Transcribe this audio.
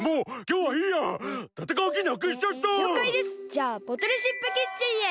じゃあボトルシップキッチンへ。